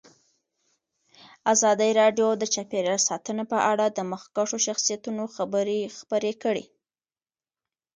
ازادي راډیو د چاپیریال ساتنه په اړه د مخکښو شخصیتونو خبرې خپرې کړي.